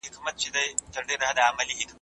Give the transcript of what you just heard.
هلک او نجلۍ بايد يو د بل له مزاج څخه خبر وي